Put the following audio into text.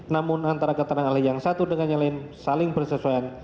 namun antara keterangan ahli yang satu dengan yang lain saling bersesuaian